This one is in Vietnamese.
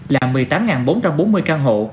là một mươi tám bốn trăm bốn mươi căn hộ